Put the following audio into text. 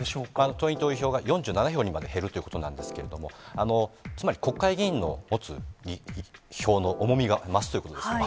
党員・党友票が４７票にまで減るということなんですけれども、つまり国会議員の持つ票の重みが増すということです。